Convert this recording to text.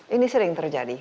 ini sering terjadi